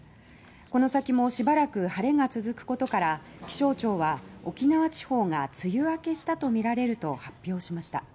この先もしばらく晴れが続くことから気象庁は沖縄地方が梅雨明けしたとみられると発表しました。